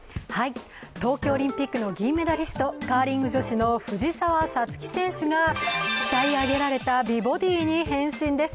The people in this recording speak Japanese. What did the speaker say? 冬季オリンピックの銀メダリスト、カーリング女子の藤澤五月選手が鍛え上げられた美ボディに変身です。